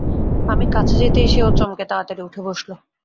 আমি কাছে যেতেই সেও চমকে তাড়াতাড়ি উঠে বসল।